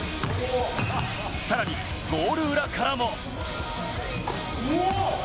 さらに、ゴール裏からも。